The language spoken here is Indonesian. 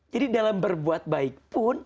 jadi dalam berbuat baik pun